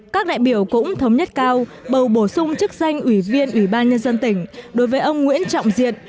các đại biểu cũng thống nhất cao bầu bổ sung chức danh ủy viên ubnd đối với ông nguyễn trọng diệt